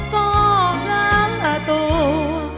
ก็กลับตัว